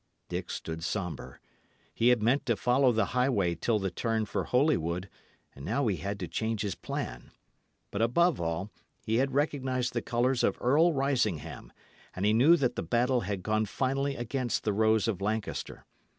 Dick stood sombre. He had meant to follow the highway till the turn for Holywood, and now he had to change his plan. But above all, he had recognised the colours of Earl Risingham, and he knew that the battle had gone finally against the rose of Lancaster.